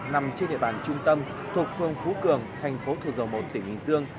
nằm trên địa bàn trung tâm thuộc phương phú cường thành phố thủ dầu một tỉnh bình dương